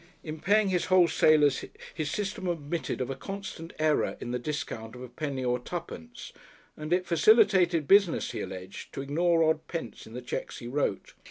In paying his wholesalers his "System" admitted of a constant error in the discount of a penny or twopence, and it "facilitated business," he alleged, to ignore odd pence in the cheques he wrote.